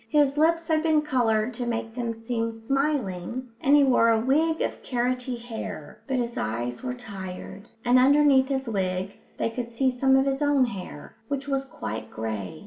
His lips had been coloured to make them seem smiling, and he wore a wig of carroty hair, but his eyes were tired, and underneath his wig they could see some of his own hair, which was quite grey.